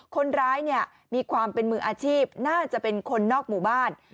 คนร้ายเนี่ยมีความเป็นมืออาชีพน่าจะเป็นคนนอกหมู่บ้าน